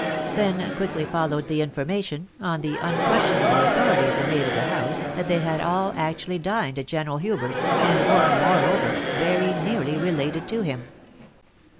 Then quickly followed the information, on the unquestionable authority of the maid of the house, that they had all actually dined at General Hubert's, and were, moreover, very nearly related to him.